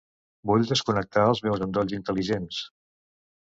Vull desconnectar els meus endolls intel·ligents.